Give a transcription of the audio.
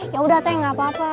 ya udah teh gak apa apa